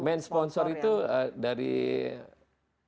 main sponsor itu dari fio langkawi